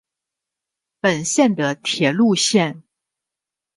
本线的铁路线。